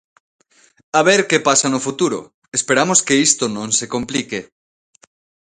A ver que pasa no futuro, esperamos que isto non se complique.